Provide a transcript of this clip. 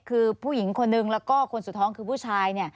คือผู้หญิงคนนึงแล้วก็คนสุดท้องคือผู้ชาย